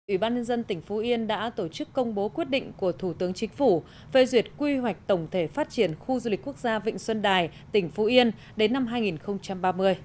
ủy ban nhân dân tỉnh phú yên đã tổ chức công bố quyết định của thủ tướng chính phủ về duyệt quy hoạch tổng thể phát triển khu du lịch quốc gia vịnh xuân đài tỉnh phú yên đến năm hai nghìn ba mươi